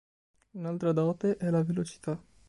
Un'altra dote è la velocità.